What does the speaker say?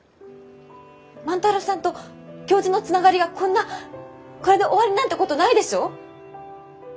万太郎さんと教授のつながりがこんなこれで終わりなんてことないでしょ？